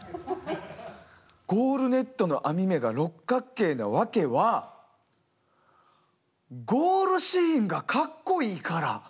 ゴールネットの編目が六角形なワケはゴールシーンがカッコイイから。